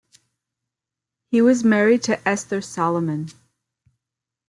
He was married to Esther Salomon.